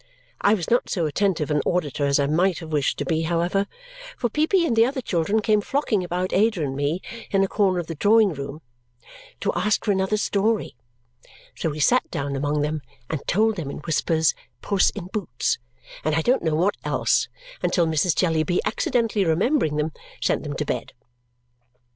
I was not so attentive an auditor as I might have wished to be, however, for Peepy and the other children came flocking about Ada and me in a corner of the drawing room to ask for another story; so we sat down among them and told them in whispers "Puss in Boots" and I don't know what else until Mrs. Jellyby, accidentally remembering them, sent them to bed.